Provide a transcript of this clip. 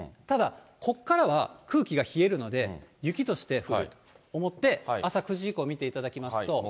ただ、ここからは空気が冷えるので、雪として降ると思って、朝９時以降見ていただきますと。